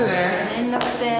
面倒くせえ。